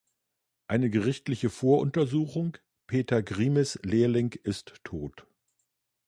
Eine gerichtliche Voruntersuchung: Peter Grimes’ Lehrling ist tot.